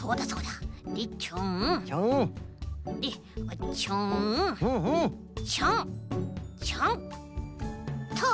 でちょんちょんちょんと。